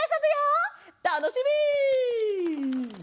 たのしみ！